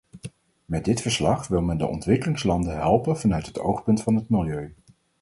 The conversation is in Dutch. Met dit verslag wil men de ontwikkelingslanden helpen vanuit het oogpunt van het milieu.